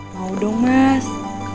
mau dong mas